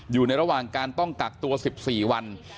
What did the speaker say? อยู่ในระหว่างการต้องกักตัว๑๔วัน